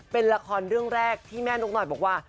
เป็นละครเรื่องแรกที่แม่นกหน่อยบอกว่า